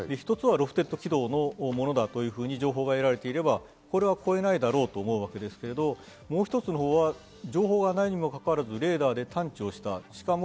一つはロフテッド軌道のものだというふうに情報が得られていれば、これは越えないだろうと思うわけですけど、もう一つのほうは情報がないにもかかわらずレーダーで探知した。